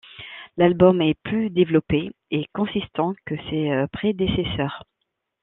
L'album est plus développé et consistent que ses prédécesseurs.